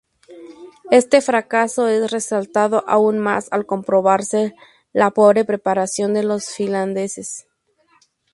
Este fracaso es resaltado aún más al comprobarse la pobre preparación de los finlandeses.